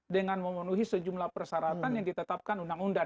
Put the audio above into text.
dengan memenuhi sejumlah persyaratan yang ditetapkan undang undang